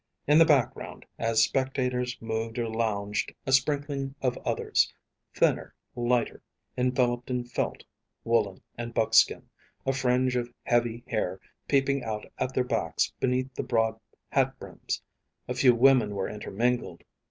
In the background, as spectators moved or lounged a sprinkling of others: thinner, lighter, enveloped in felt, woollen and buckskin, a fringe of heavy hair peeping out at their backs beneath the broad hat brims. A few women were intermingled.